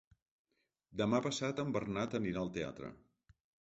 Demà passat en Bernat anirà al teatre.